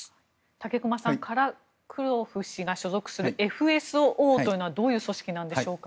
武隈さん、カラクロフ氏が所属するＦＳＯというのはどういう組織なんでしょうか。